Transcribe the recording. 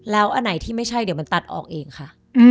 แล้วอันไหนที่ไม่ใช่เดี๋ยวมันตัดออกเองค่ะ